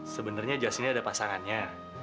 sebenarnya jos ini ada pasangannya